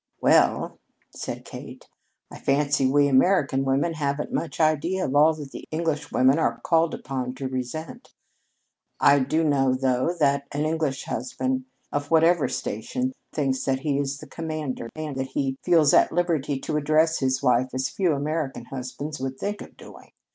"Well," said Kate, "I fancy we American women haven't much idea of all that the Englishwomen are called upon to resent. I do know, though, that an English husband of whatever station thinks that he is the commander, and that he feels at liberty to address his wife as few American husbands would think of doing.